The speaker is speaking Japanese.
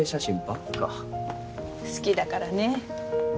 好きだからねぇ。